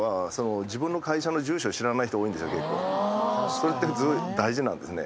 それって大事なんですね。